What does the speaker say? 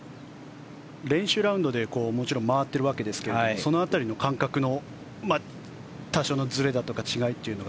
練習ラウンドでもちろん回っているわけですけどその辺りの感覚の多少のずれだとか違いというのは。